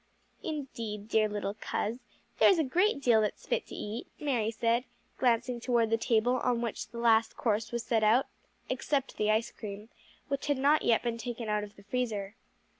"Indeed, dear little coz, there is a great deal that's fit to eat," Mary said, glancing toward he table on which the last course was set out except the ice cream, which had not yet been taken out of the freezer.